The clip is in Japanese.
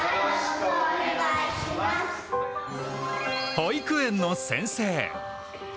保育園の先生。